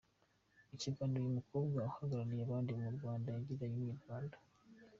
Mu kiganiro uyu mukobwa uhagarariye abandi mu Rwanda yagiranye na Inyarwanda.